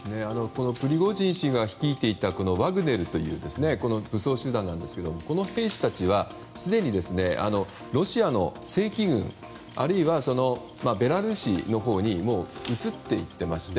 プリゴジン氏が率いていたワグネルという武装集団ですがこの兵士たちはすでにロシアの正規軍あるいはベラルーシのほうにもう移っていっていまして。